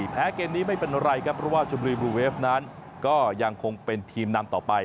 เกมนี้ไม่เป็นไรครับเพราะว่าชมบุรีบลูเวฟนั้นก็ยังคงเป็นทีมนำต่อไป